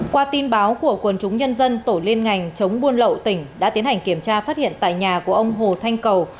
qua tin báo của quần chúng nhân dân tổ liên ngành chống buôn lậu tỉnh đã tiến hành kiểm tra phát hiện tại nhà của ông hồ thanh cầu